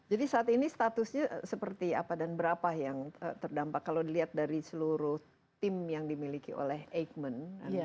jadi saat ini statusnya seperti apa dan berapa yang terdampak kalau dilihat dari seluruh tim yang dimiliki oleh eijkman